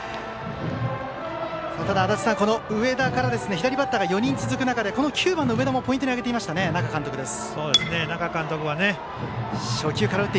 ただ上田から左バッターが４人続く中で９番の上田もポイントに挙げていた那賀監督です。